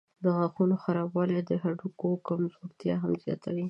د غاښونو خرابوالی د هډوکو کمزورتیا هم زیاتوي.